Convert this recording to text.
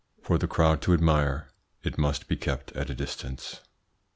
For the crowd to admire, it must be kept at a distance.